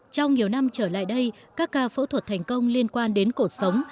trong nhiều năm trở lại đây các ca phẫu thuật thành công liên quan đến cuộc sống